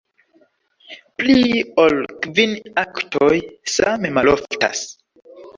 Pli ol kvin aktoj same maloftas.